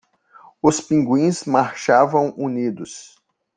Os pinguins marchavam unidos